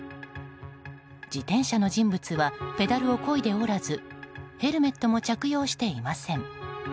自転車の人物はペダルをこいでおらずヘルメットも着用していません。